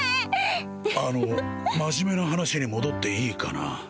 あの真面目な話に戻っていいかな？